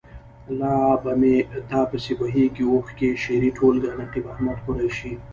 لا به مې تا پسې بهیږي اوښکې. شعري ټولګه. نقيب احمد قریشي.